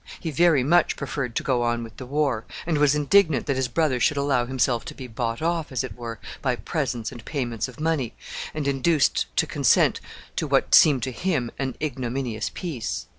He very much preferred to go on with the war, and was indignant that his brother should allow himself to be bought off, as it were, by presents and payments of money, and induced to consent to what seemed to him an ignominious peace.